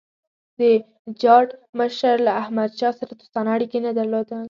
د جاټ مشر له احمدشاه سره دوستانه اړیکي نه درلودل.